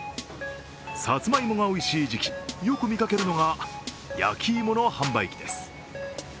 さつまいもがおいしい時期、よく見かけるのが焼き芋の販売機です。